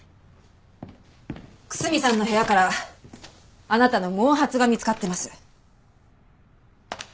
楠見さんの部屋からあなたの毛髪が見つかってます。